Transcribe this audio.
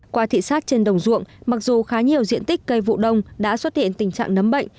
qua thị xác trên đồng ruộng mặc dù khá nhiều diện tích cây vụ đông đã xuất hiện tình trạng nấm bệnh